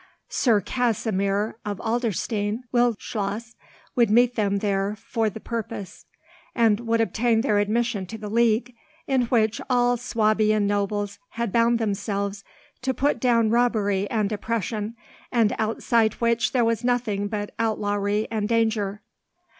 Sir Kasimir of Adlerstein Wildschloss would meet them there for the purpose, and would obtain their admission to the League, in which all Swabian nobles had bound themselves to put down robbery and oppression, and outside which there was nothing but outlawry and danger.